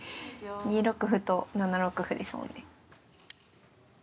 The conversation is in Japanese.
２六歩と７六歩ですもんね。